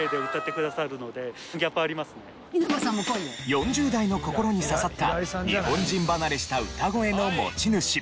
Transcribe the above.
４０代の心に刺さった日本人離れした歌声の持ち主。